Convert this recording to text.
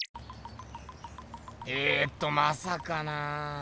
えとまさかなあ。